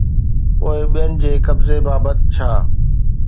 پوءِ ٻين جي قبضي بابت ڇا؟